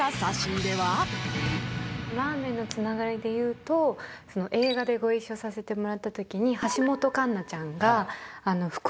ラーメンのつながりで言うと映画でご一緒させてもらったとき橋本環奈ちゃんが。